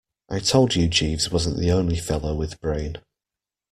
I told you Jeeves wasn't the only fellow with brain.